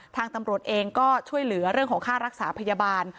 ทางตำรวจเองก็ช่วยเหลือเรื่องของค่ารักษาพยาบาล